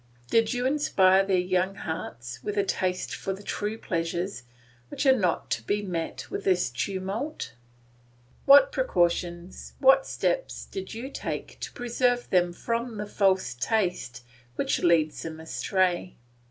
Did you inspire their young hearts with a taste for the true pleasures which are not to be met with in this tumult? What precautions, what steps, did you take to preserve them from the false taste which leads them astray?